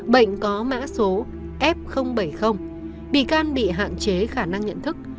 bệnh có mã số f bảy mươi bị can bị hạn chế khả năng nhận thức